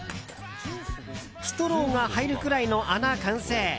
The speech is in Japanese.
ストローが入るくらいの穴、完成。